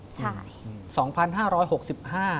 ใช่